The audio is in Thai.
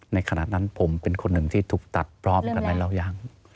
ในขณะนั้นผมเป็นคนหนึ่งที่ถูกตัดพร้อมกันในเล่าย่าง